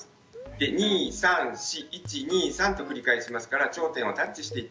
で２３４１２３と繰り返しますから頂点をタッチしていって下さい。